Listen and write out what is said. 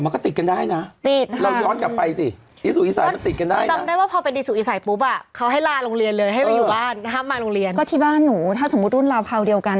มาโรงเรียนก็ที่บ้านหนูถ้าสมมุติรุ่นราเภาเดียวกัน